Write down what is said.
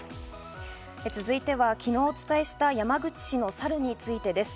続いては昨日お伝えした山口市のサルについてです。